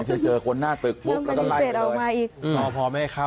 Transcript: ไม่ใช่เจอคนหน้าตึกปุ๊บแล้วก็ไล่กันเลยตอนพอไม่ให้เข้า